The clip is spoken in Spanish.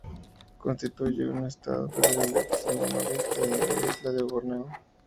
Constituye un estado federal en el extremo noreste de la gran isla de Borneo.